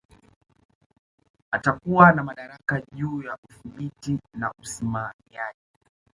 Atakuwa na madaraka juu ya udhibiti na usimamiaji